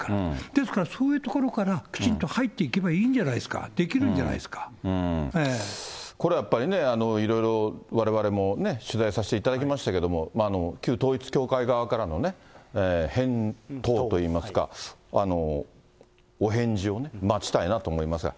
ですから、そういうところからきちんと入っていけばいいんじゃないですか。これやっぱりね、いろいろわれわれも取材させていただきましたけども、旧統一教会側からのね、返答といいますか、お返事をね、待ちたいなと思いますが。